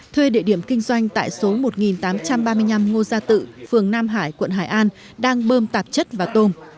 thuê địa điểm kinh doanh tại số một nghìn tám trăm ba mươi năm ngô gia tự phường nam hải quận hải an đang bơm tạp chất vào tôm